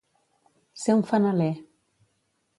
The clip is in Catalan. Ser un fanaler.